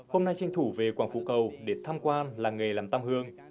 hôm nay tranh thủ về quảng phú cầu để thăm quan làng nghề chụp ảnh